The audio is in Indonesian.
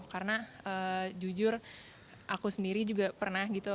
karena jujur aku sendiri juga pernah gitu